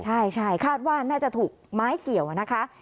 ใช่คาดว่าน่าจะถูกไม้เกี่ยวนะคะ